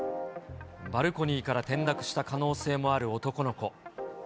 バルコニーから転落した可能性もある男の子。